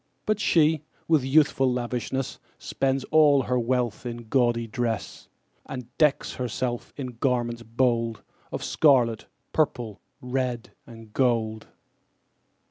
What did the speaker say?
But she, with youthful lavishness, Spends all her wealth in gaudy dress, And decks herself in garments bold Of scarlet, purple, red, and gold.